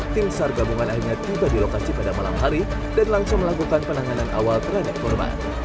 tim sar gabungan akhirnya tiba di lokasi pada malam hari dan langsung melakukan penanganan awal terhadap korban